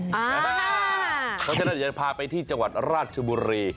เพราะฉะนั้นเราจะพาไปที่จังหวัดราชบุรี